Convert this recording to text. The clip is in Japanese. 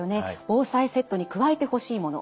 防災セットに加えてほしいもの